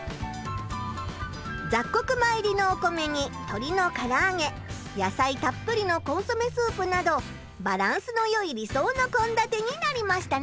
ざっこく米入りのお米にとりのからあげ野菜たっぷりのコンソメスープなどバランスのよい理想のこんだてになりましたね。